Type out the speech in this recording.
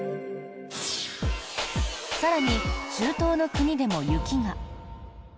更に、中東の国でも雪が。